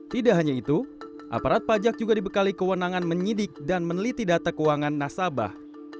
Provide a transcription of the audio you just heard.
tidak hanya itu aparat pajak juga dibekali kewenangan menyidik dan meneliti data keuangan nasabah